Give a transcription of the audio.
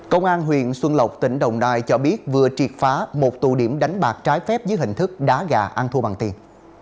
công an huyện xuân lộc tỉnh đồng nai cho biết vừa triệt phá một tụ điểm đánh bạc trái phép dưới hình thức đá gà ăn thua bằng tiền